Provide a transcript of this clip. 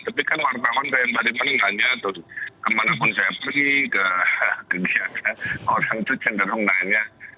tapi kan wartawan saya yang bari bari nanya tuh kemanapun saya pergi ke biasa orang itu cenderung nanya